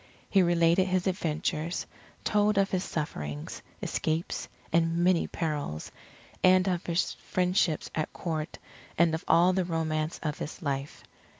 He related his adventures, he told of his sufferings, escapes, and many perils, and of his friendships at Court and of all the romance of his life.